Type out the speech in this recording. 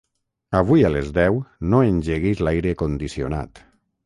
Avui a les deu no engeguis l'aire condicionat.